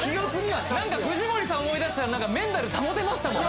何か藤森さん思い出したらメンタル保てましたもん